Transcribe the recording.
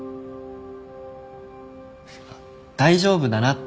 大丈夫だなって。